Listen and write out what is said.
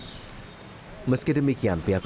meski demikian pihak politik ini tidak bisa berhenti